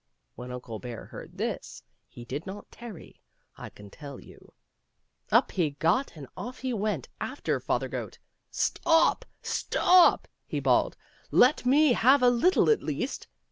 When Uncle Bear heard this he did not tarry, I can tell you ; up he got and off he went after Father Goat. " Stop ! stop !" he bawled, " let me have a little at least."